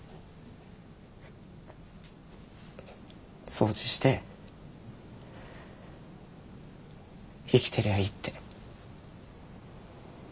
掃除して生きてりゃいいって。